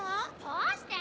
どうして？